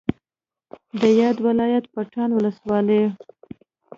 د یاد ولایت پټان ولسوالۍ